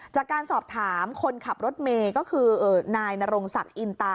จากการสอบถามคนขับรถเมย์ก็คือนายนรงศักดิ์อินตา